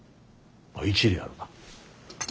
一理あるな。